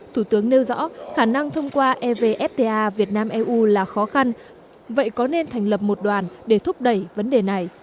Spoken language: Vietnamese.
thủ tướng nêu rõ khả năng thông qua evfta việt nam eu là khó khăn vậy có nên thành lập một đoàn để thúc đẩy vấn đề này